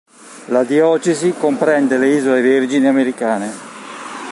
La diocesi comprende le Isole Vergini americane.